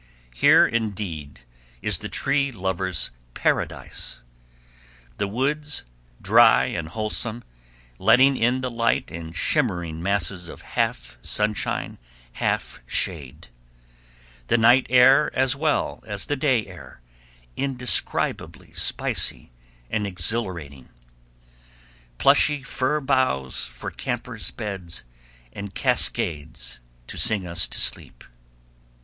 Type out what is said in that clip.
Here indeed is the tree lover's paradise; the woods, dry and wholesome, letting in the light in shimmering masses of half sunshine, half shade; the night air as well as the day air indescribably spicy and exhilarating; plushy fir boughs for campers' beds and cascades to sing us to sleep.